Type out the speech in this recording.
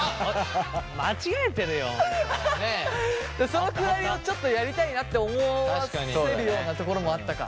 そのくだりをちょっとやりたいなって思わせるようなところもあったか。